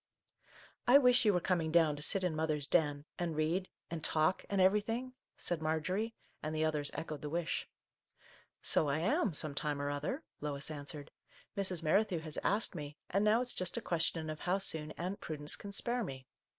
C£ I wish you were coming down to sit in mother's den, and read — and talk — and Our Little Canadian Cousin 113 everything !" said Marjorie, and the others echoed the wish. " So I am, some time or other," Lois answered. " Mrs. Merrithew has asked me, and now it's just a question of how soon Aunt Prudence can spare me.